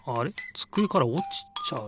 つくえからおちちゃう。